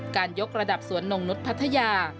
การยกระดับสวนนงนุฏรพัทยา